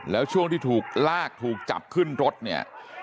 แล้วช่วงที่ถูกลากถูกจับขึ้นรถเนี่ย